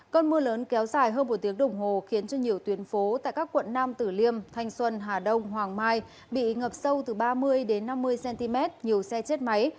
cơn mưa lớn kéo dài hơn một tiếng đồng hồ khiến cho nhiều tuyến phố tại các quận nam tử liêm thanh xuân hà đông hoàng mai bị ngập sâu từ ba mươi năm mươi cm nhiều xe chết máy